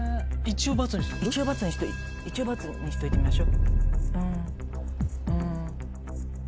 一応「×」にしといてみましょ。